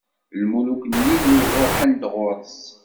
Lmuluk n Yillu ṛuḥen-d ɣur-s.